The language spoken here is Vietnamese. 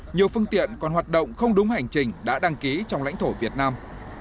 nhiều phương tiện còn hoạt động không đúng hành trình đã đăng ký trong lãnh thổ việt nam